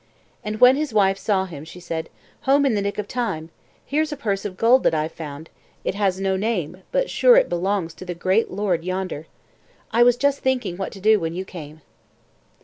And when his wife saw him she said: "Home in the nick of time. Here's a purse of gold that I've found; it has no name, but sure it belongs to the great lord yonder. I was just thinking what to do when you came."